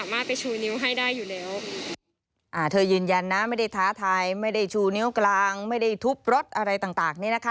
อ่าเธอยืนยันนะไม่ได้ท้าทายไม่ได้ชูนิ้วกลางไม่ได้ทุบรถอะไรต่างต่างเนี้ยนะคะ